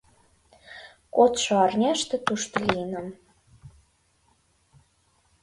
Кодшо арняште тушто лийынам.